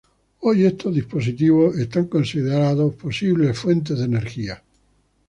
Hoy estos dispositivos son considerados como posibles fuentes de energía.